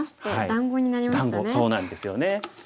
団子そうなんですよね。